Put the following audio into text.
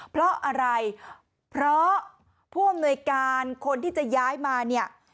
เพราะอะไรเพราะผู้อำนวยการคนที่จะย้ายมาเนี่ย